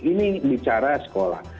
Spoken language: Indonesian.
ini bicara sekolah